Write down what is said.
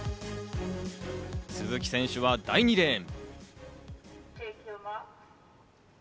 鈴木選手は第２レーン。